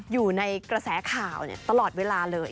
อยู่ในกระแสข่าวตลอดเวลาเลย